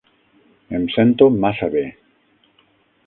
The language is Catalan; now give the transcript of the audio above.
Em sento massa bé.